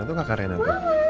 itu kakak ren apa